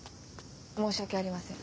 申し訳ありません。